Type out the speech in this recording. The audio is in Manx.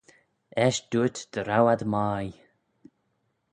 Eisht dooyrt dy row ad mie.